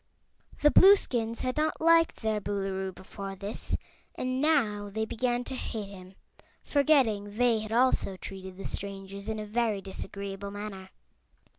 The Blueskins had not liked their Boolooroo, before this, and now they began to hate him, forgetting they had also treated the strangers in a very disagreeable manner.